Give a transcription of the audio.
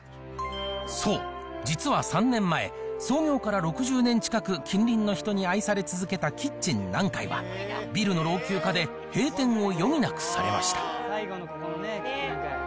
そう、実は３年前、創業から６０年近く近隣の人に愛され続けたキッチン南海は、ビルの老朽化で閉店を余儀なくされました。